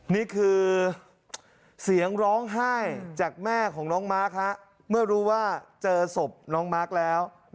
นี่คือเสียงร้องไห้จากแม่ของน้องมาร์คเมื่อรู้ว่าเจอศพน้องมาร์คแล้ว